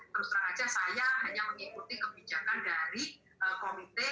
terus terang saja saya hanya mengikuti kebijakan dari komite